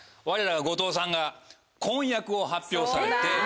我らが後藤さんが婚約を発表されて。